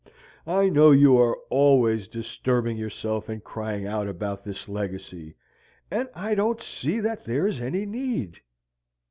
I know you are always disturbing yourself and crying out about this legacy, and I don't see that there is any need."